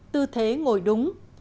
tư thế ngồi đúng